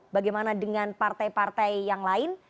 bagaimana dengan partai partai yang lain